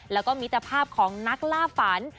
แล้วก็มิตรภาพของนักล่าฝัน